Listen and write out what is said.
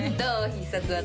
必殺技。